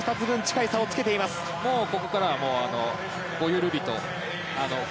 ここからはごゆるりと。